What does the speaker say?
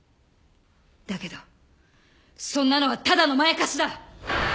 だけどそんなのはただのまやかしだ！